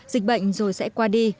dịch bệnh rồi sẽ qua đi